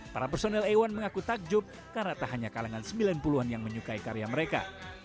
para personel a satu mengaku takjub karena tak hanya kalangan sembilan puluh an yang menyukai karya mereka